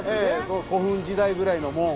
古墳時代ぐらいの。